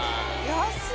安い！